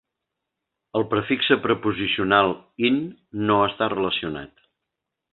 El prefixe preposicional "in-" no està relacionat.